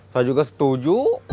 saya juga setuju